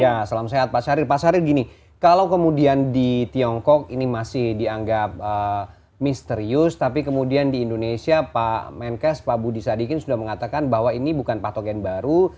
ya salam sehat pak syahrir pak syahrir gini kalau kemudian di tiongkok ini masih dianggap misterius tapi kemudian di indonesia pak menkes pak budi sadikin sudah mengatakan bahwa ini bukan patogen baru